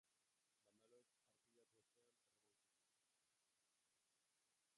Bandaloek arpilatu ostean, Erroma utzi zuen.